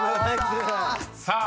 ［さあ